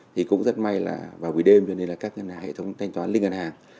thì cũng rất may là vào buổi đêm cho nên là các ngân hàng hệ thống thanh toán liên ngân hàng